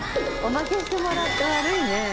おまけしてもらって悪いね。